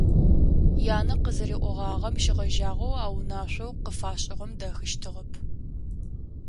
Янэ къызыриӏогъагъэм щегъэжьагъэу а унашъоу къыфашӏыгъэм дэхыщтыгъэп.